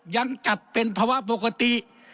ยังจัดเป็นภาวะปกติ